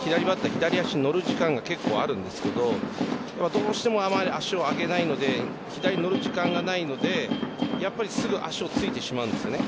左足乗る時間が結構あるんですけどどうしてもあまり足を上げないので左に乗る時間がないのですぐ足をついてしまうんですよね。